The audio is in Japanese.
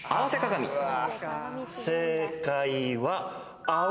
正解は。